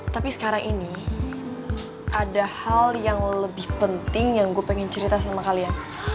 tapi sekarang ini ada hal yang lebih penting yang gue pengen cerita sama kalian